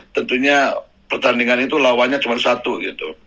tentunya pertandingan itu lawannya cuma satu gitu